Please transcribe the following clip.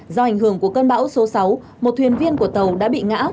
do ảnh hưởng của cơn bão số sáu một thuyền viên của tàu đã bị ngã